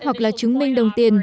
hoặc là chứng minh đồng tiền